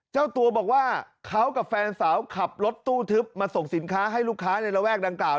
เจ้าตัวบอกว่าเขากับแฟนสาวขับรถตู้ทึบมาส่งสินค้าให้ลูกค้าในระแวกดังกล่าว